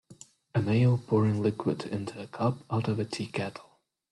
A male pouring liquid into a cup out of a tea kettle.